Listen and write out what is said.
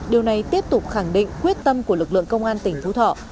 điều này tiếp tục khẳng định quyết tâm của lực lượng công an tỉnh phú thọ